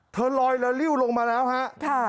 เธอเลยล่ะลิ่วลงมาแล้วฮะ